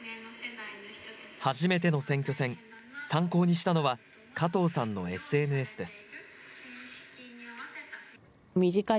初めての選挙戦、参考にしたのは加藤さんのＳＮＳです。